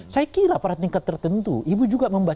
saya kira pada tingkat tertentu ibu juga membaca